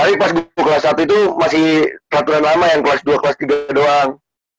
tapi pas buka satu itu masih peraturan lama yang kelas dua kelas tiga doang